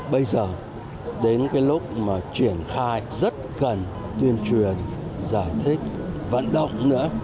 bây giờ đến cái lúc mà triển khai rất cần tuyên truyền giải thích vận động nữa